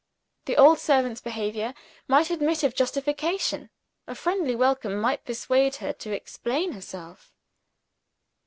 The old servant's behavior might admit of justification: a friendly welcome might persuade her to explain herself.